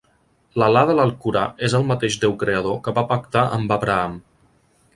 L'Allah de l'Alcorà és el mateix Déu creador que va pactar amb Abraham".